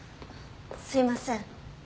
すいません。